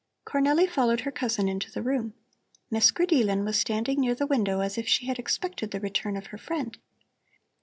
Cornelli followed her cousin into the room. Miss Grideelen was standing near the window as if she had expected the return of her friend.